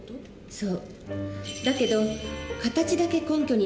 そう。